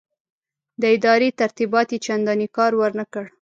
د ادارې ترتیبات یې چنداني کار ورنه کړ.